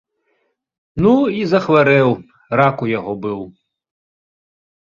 Ну, і захварэў, рак у яго быў.